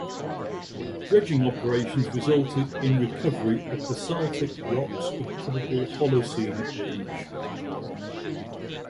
Dredging operations resulted in recovery of basaltic rocks of probable Holocene age.